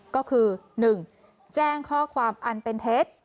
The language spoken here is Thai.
ก็คือ๑แจ้งข้อความอันเป็นเท็จ